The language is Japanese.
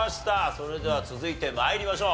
それでは続いて参りましょう。